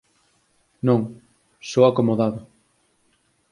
Non, só acomodado.